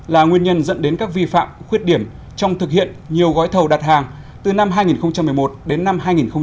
là nguyên nhân dẫn đến các vi phạm khuyết điểm trong thực hiện nhiều gói thầu đặt hàng từ năm hai nghìn một mươi một đến năm hai nghìn một mươi bảy